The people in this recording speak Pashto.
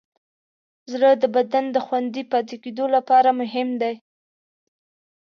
زړه د بدن د خوندي پاتې کېدو لپاره مهم دی.